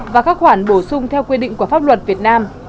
và các khoản bổ sung theo quy định của pháp luật việt nam